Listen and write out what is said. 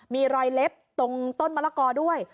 มีรอยเล็บตรงต้นมะละกอด้วย